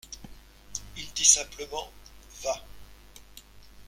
Il dit simplement : Va.